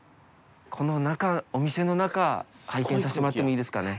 この中、お店の中、拝見させてもらってもいいですかね。